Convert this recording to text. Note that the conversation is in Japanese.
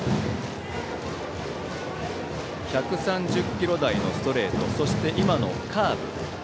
１３０キロ台のストレートそして、カーブ。